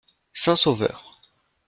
Saint-Sauveur.